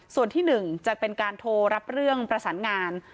ส่วนที่๑จะเป็นการโทรรับเรื่องประสานงาน